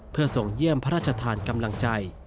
เพื่อส่งเยี่ยมพระราชทานกำลังใจ